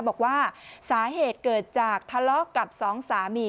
บอกว่าสาเหตุเกิดจากทะเลาะกับสองสามี